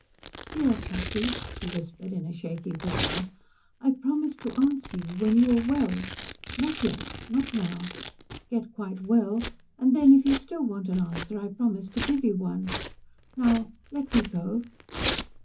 "Dear Tussie," she whispered in a shaky whisper, "I promise to answer you when you are well. Not yet. Not now. Get quite well, and then if you still want an answer I promise to give you one. Now let me go."